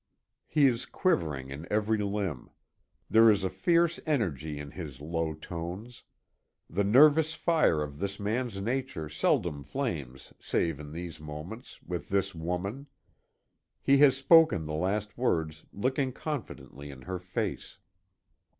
He is quivering in every limb. There is a fierce energy in his low tones. The nervous fire of this man's nature seldom flames save in these moments, with this woman. He has spoken the last words looking confidently in her face.